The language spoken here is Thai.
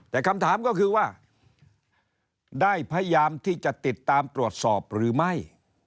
แต่คำถามก็คือว่าได้พยายามที่จะติดตามตรวจสอบหรือไม่